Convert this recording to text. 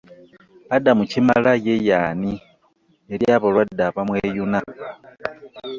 Adam Kimala ye y'ani eri abalwadde abamweyuna?